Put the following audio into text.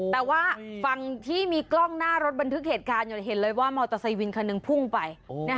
แต่ว่าฝั่งที่มีกล้องหน้ารถบันทึกเหตุการณ์อยู่เห็นเลยว่ามอเตอร์ไซวินคันหนึ่งพุ่งไป